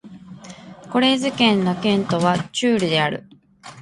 コレーズ県の県都はチュールである